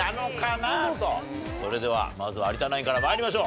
それではまず有田ナインから参りましょう。